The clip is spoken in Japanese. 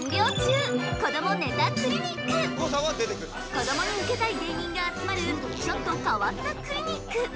子どもにウケたい芸人が集まるちょっと変わったクリニック。